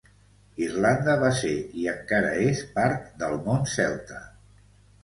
Irlanda va ser i encara és part del món celta.